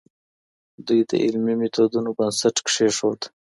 دوی د علمي میتودونو بنسټ کيښود.